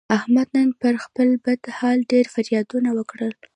احمد نن پر خپل بد حالت ډېر فریادونه وکړل.